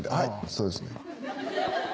そうですね。